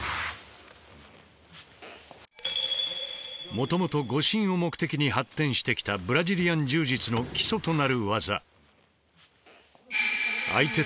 もともと護身を目的に発展してきたブラジリアン柔術の基礎となる技。